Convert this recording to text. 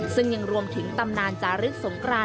ซึ่งยังรวมถึงตำนานจารึกสงกราน